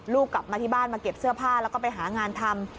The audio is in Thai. กลับมาที่บ้านมาเก็บเสื้อผ้าแล้วก็ไปหางานทำ